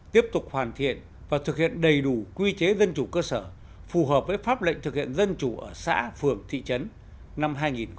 tiếp tục hoàn thiện và thực hiện đầy đủ quy chế dân chủ cơ sở phù hợp với pháp lệnh thực hiện dân chủ ở xã phường thị trấn năm hai nghìn một mươi chín